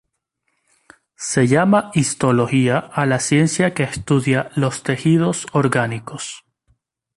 Se llama histología a la ciencia que estudia los tejidos orgánicos.